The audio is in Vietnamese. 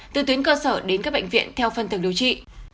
từ tuyến cơ sở đến các bệnh viện theo phân thường điều trị